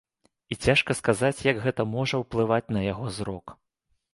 І цяжка сказаць, як гэта можа ўплываць на яго зрок.